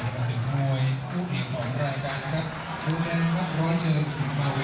มากมนตร์ครับ